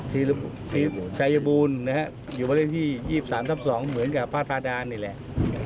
ที่ชายบูรณ์อยู่บริเวณที่๒๓ทั้ง๒เหมือนกับภาษาฐานนี่แหละ